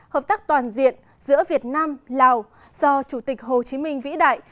hợp tác toàn diện giữa việt nam lào do chủ tịch hồ chí minh vĩ đại